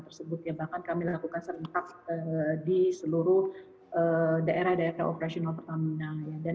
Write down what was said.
tersebut ya bahkan kami lakukan serentak di seluruh daerah daerah operasional pertamina dan